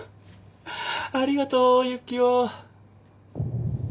ありがとうユキオ。